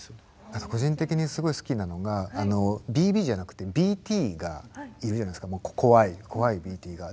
個人的にすごい好きなのがＢＢじゃなくてＢＴがいるじゃないですか怖いＢＴが。